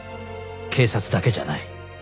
警察だけじゃない